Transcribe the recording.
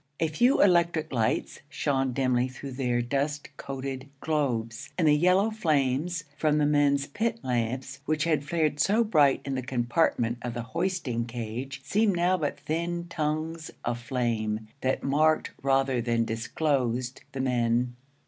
A few electric lights shone dimly through their dust coated globes, and the yellow flames from the men's pit lamps, which had flared so bright in the compartment of the hoisting cage, seemed now but thin tongues of flame that marked rather than disclosed the men.